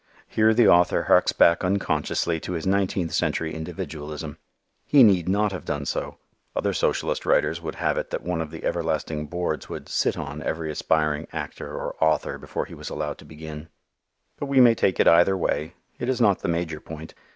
Here the author harks back unconsciously to his nineteenth century individualism; he need not have done so; other socialist writers would have it that one of the everlasting boards would "sit on" every aspiring actor or author before he was allowed to begin. But we may take it either way. It is not the major point.